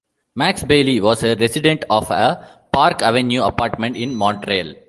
Max Bailey, was a resident of a Park Avenue apartment in Montreal.